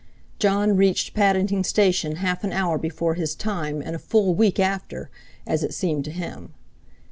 Jon reached Paddington station half an hour before his time and a full week after, as it seemed to him.